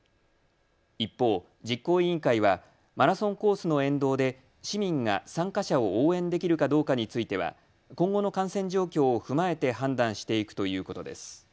一方、実行委員会はマラソンコースの沿道で市民が参加者を応援できるかどうかについては今後の感染状況を踏まえて判断していくということです。